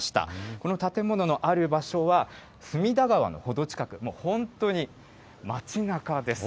この建物のある場所は隅田川の程近く、もう本当に街なかです。